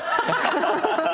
ハハハハ。